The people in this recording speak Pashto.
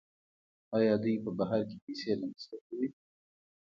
آیا دوی په بهر کې پیسې نه مصرفوي؟